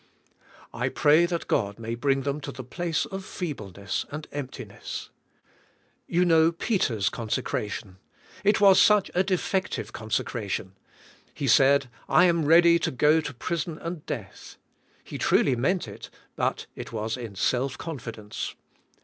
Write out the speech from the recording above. I pray that God may bring them to the place of feebleness and emptiness. You know Peter's con secration. It was such a defective consecration. He said, I am ready to go to prison and death. He truly meant it, but it was in self confidence.